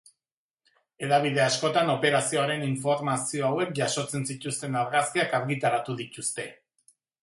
Hedabide askotan operazioaren informazio hauek jasotzen zituzten argazkiak argitaratu dituzte.